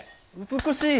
美しい！